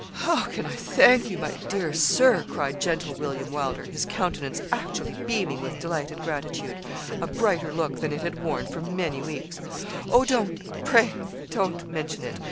'How can I thank you, my dear Sir,' cried gentle William Wylder, his countenance actually beaming with delight and gratitude a brighter look than it had worn for many weeks. 'Oh, don't pray don't mention it.